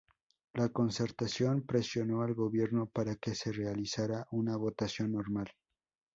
La Concertación presionó al Gobierno para que se realizara una votación normal.